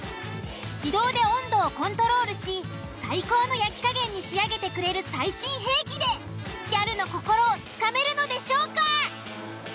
自動で温度をコントロールし最高の焼き加減に仕上げてくれる最新兵器でギャルの心をつかめるのでしょうか？